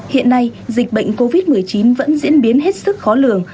hiện nay dịch bệnh covid một mươi chín vẫn diễn biến hết sức khó lường